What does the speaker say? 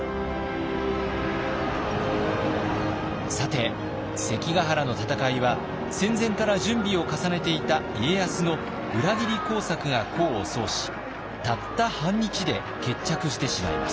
さて関ヶ原の戦いは戦前から準備を重ねていた家康の裏切り工作が功を奏したった半日で決着してしまいます。